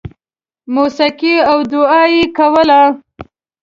• موسیقي او دعا یې کوله.